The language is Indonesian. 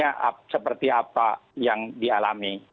artinya seperti apa yang dialami